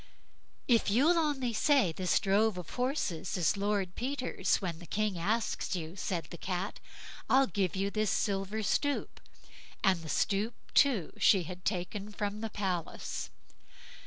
"If you'll only say this drove of horses is Lord Peter's when the King asks you", said the Cat, "I'll give you this silver stoop"; and the stoop too she had taken from the palace.